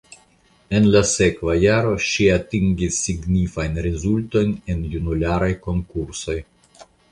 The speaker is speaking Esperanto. En la sekva jaro ŝi atingis signifajn rezultojn en junularaj konkursoj.